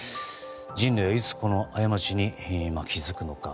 人類はいつこの過ちに気づくのか。